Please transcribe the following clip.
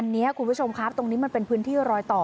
อันนี้คุณผู้ชมครับตรงนี้มันเป็นพื้นที่รอยต่อ